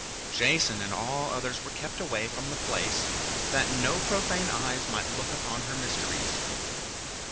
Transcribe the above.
Jason and all others were kept away from the place, that no profane eyes might look upon her mysteries.